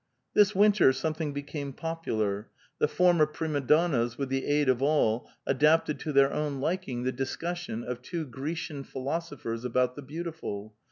This winter something became popular : the former, prima donnas, with the aid of all, adapted to their own liking " the discussion of two Grecian philosophers about the beautiful."